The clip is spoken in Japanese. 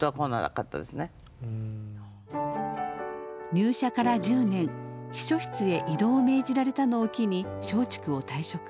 入社から１０年秘書室へ異動を命じられたのを機に松竹を退職。